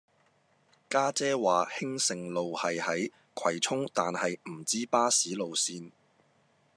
家姐話興盛路係喺葵涌但係唔知巴士路線